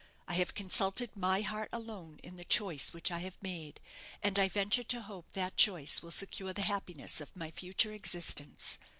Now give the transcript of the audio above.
I have consulted my heart alone in the choice which I have made, and I venture to hope that choice will secure the happiness of my future existence.